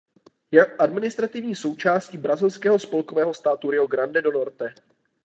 Je administrativní součásti brazilského spolkového státu Rio Grande do Norte.